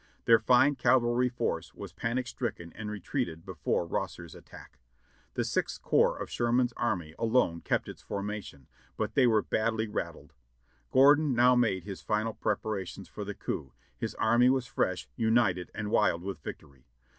Their fine cavalry force was panic stricken and retreated before Rosser's attack. The Sixth Corps of Sherman's army alone kept its formation, but they were badly rattled. Gordon now made his final preparations for the coup; his army was fresh, united, and wild with victory.